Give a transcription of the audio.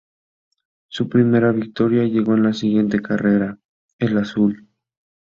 Su primera victoria llegó en la siguiente carrera, en Azul.